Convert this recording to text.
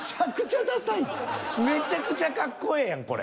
めちゃくちゃかっこええやんこれ。